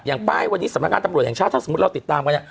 ป้ายวันนี้สำนักงานตำรวจแห่งชาติถ้าสมมุติเราติดตามกันเนี่ย